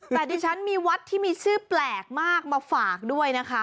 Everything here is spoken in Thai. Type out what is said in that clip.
แต่ดิฉันมีวัดที่มีชื่อแปลกมากมาฝากด้วยนะคะ